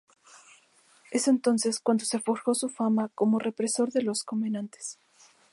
Es entonces cuando se forjó su fama como represor de los "covenanters".